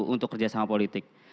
untuk kerja sama politik